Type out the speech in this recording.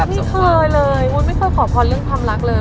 ไม่เคยเลยวุ้นไม่เคยขอพรเรื่องความรักเลย